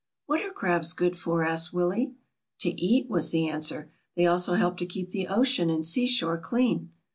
^ What are crabs good for?" asked Willie. ^^To eat," was the answer. "They also help to keep the ocean and seashore clean."